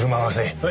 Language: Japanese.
はい。